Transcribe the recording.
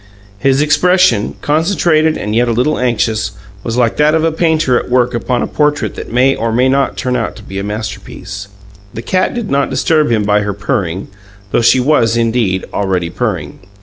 His expression, concentrated and yet a little anxious, was like that of a painter at work upon a portrait that may or may not turn out to be a masterpiece. The cat did not disturb him by her purring, though she was, indeed, already purring.